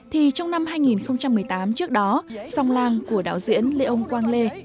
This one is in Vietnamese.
thì trong năm hai nghìn một mươi tám trước đó song lang của đạo diễn lê ông quang lê